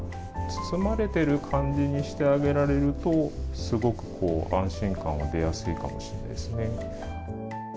包まれている感じにしてあげられるとすごく安心感が出やすいかもしれないですね。